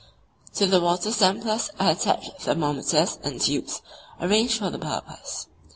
To the water samplers are attached thermometers (b) in tubes arranged for the purpose.